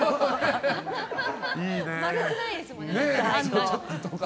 丸くないですもんね。